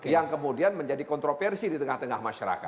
yang kemudian menjadi kontroversi di tengah tengah masyarakat